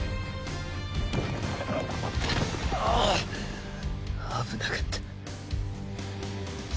うぅ危なかった。